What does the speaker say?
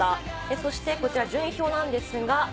そしてこちら順位表です。